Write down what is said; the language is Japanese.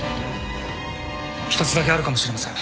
一つだけあるかもしれません。